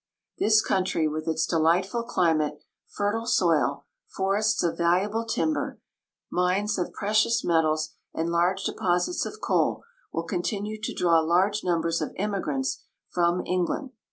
This country, with its delightful climate, fertile soil, forests of valuable timber, mines of precious metals, and large deposits of coal, will continue to draw large numbers of emigrants from England.